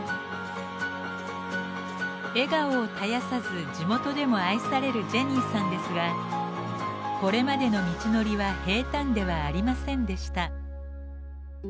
笑顔を絶やさず地元でも愛されるジェニーさんですがこれまでの道のりは平たんではありませんでした。